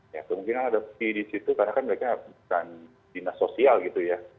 ya kemungkinan ada fee di situ karena kan mereka bukan dinas sosial gitu ya